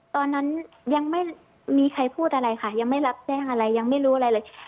ตอนนั้นยังไม่มีใครพูดอะไรค่ะยังไม่รับแจ้งอะไรยังไม่รู้อะไรเลย